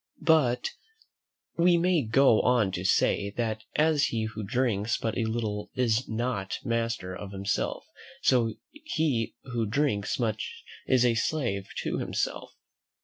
But we may go on to say, that as he who drinks but a little is not master of himself, so he who drinks much is a slave to himself.